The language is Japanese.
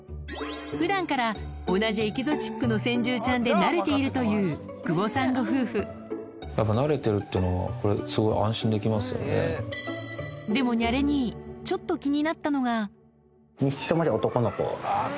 普段から同じエキゾチックの先住ちゃんで慣れているという久保さんご夫婦でもニャレ兄ちょっとへぇ。